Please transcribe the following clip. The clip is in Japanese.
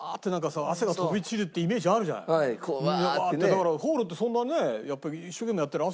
だからホールってそんなねやっぱり一生懸命やってりゃ。